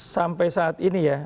sampai saat ini